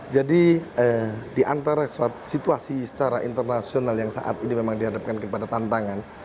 jadi di antara situasi secara internasional yang saat ini memang dihadapkan kepada tantangan